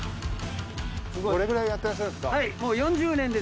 どれぐらいやってらっしゃるんですか？